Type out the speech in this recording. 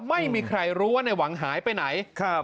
ไม่มีใครรู้ว่าในหวังหายไปไหน